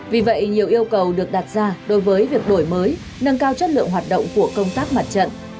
vì vậy nhiều yêu cầu được đặt ra đối với việc đổi mới nâng cao chất lượng hoạt động của công tác mặt trận